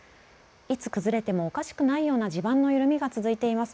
いつ崩れてもおかしくないような地盤の緩みが続いています。